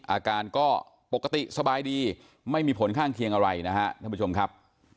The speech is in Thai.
อาการก็ปกติสบายดีไม่มีผลข้างเคียงอะไรนะฮะท่านผู้ชมครับ